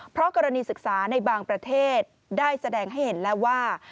เพราะกรณีศึกษาในบางประเทศได้แสดงให้เห็นแล้วว่า